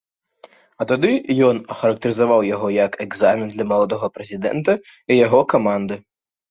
А тады ён ахарактарызаваў яго як экзамен для маладога прэзідэнта і яго каманды.